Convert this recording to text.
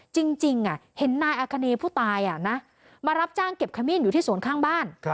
จริงเห็นนายอาคเนผู้ตายมารับจ้างเก็บขมิ้นอยู่ที่สวนข้างบ้าน